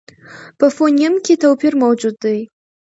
په فونېم کې توپیر موجود دی.